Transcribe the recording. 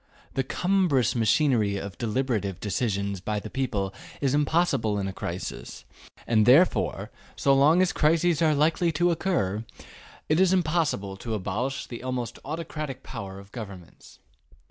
The cumbrous machinery of deliberative decisions by the people is impossible in a crisis, and therefore so long as crises are likely to occur, it is impossible to abolish the almost autocratic power of governments.